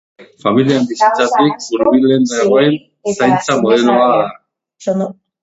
Familian bizitzatik hurbilen dagoen zaintza modeloa da.